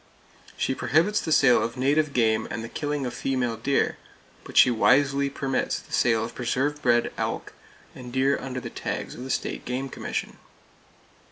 She prohibits the sale of native game and the killing of female deer; but she wisely permits the [Page 287] sale of preserve bred elk and deer under the tags of the State Game Commission.